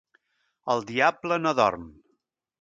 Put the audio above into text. El diable no dorm.